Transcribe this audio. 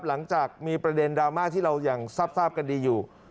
หลังจากมีประเด็นดราม่าที่เรายังทราบกันดีอยู่